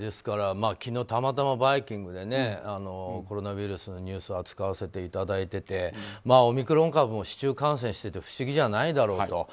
昨日たまたま「バイキング」でコロナウイルスのニュースを扱わせていただいててオミクロン株も市中感染してて不思議じゃないだろうと。